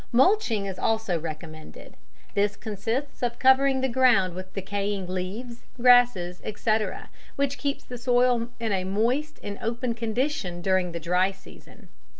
"Mulching" is also recommended. This consists of covering the ground with decaying leaves, grasses, etc., which keep the soil in a moist and open condition during the dry season.